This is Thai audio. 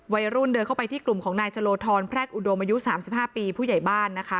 วัยรุ่นเดินเข้าไปที่กลุ่มของนายชะโลธรแพรกอุดมอายุ๓๕ปีผู้ใหญ่บ้านนะคะ